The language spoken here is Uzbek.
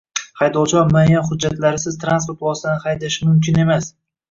Haydovchilar muayyan hujjatlarisiz transport vositasini haydashi mumkin emas